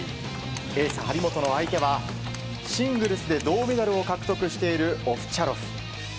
エース、張本の相手はシングルスで銅メダルを獲得しているオフチャロフ。